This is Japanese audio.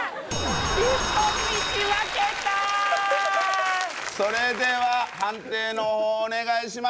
一本道分けたそれでは判定のほうお願いします